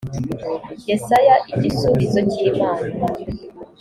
yesaya igisubizo cy imana